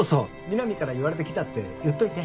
南から言われてきたって言っといて。